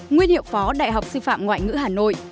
nguyên hiệu phó đại học sư phạm ngoại ngữ hà nội